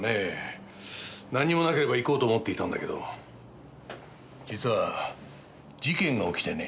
なんにもなければ行こうと思っていたんだけど実は事件が起きてね。